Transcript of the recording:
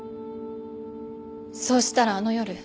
そうしたらあの夜。